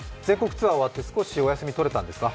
ツアー終わって、少しお休み取れたんですか？